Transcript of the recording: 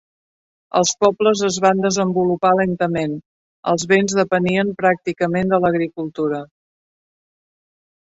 Els pobles es van desenvolupar lentament; els vends depenien pràcticament de l'agricultura.